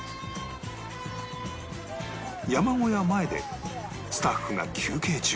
山小屋前でスタッフが休憩中